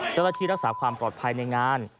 เจ้าหน้าที่รักษาความปลอดภัยในงาน